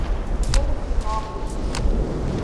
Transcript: Bonfinópolis